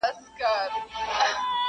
د کوثر له حوضه ډکه پیمانه يې.